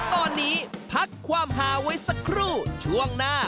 ตอนนี้พักความหาไว้สักครู่ช่วงหน้า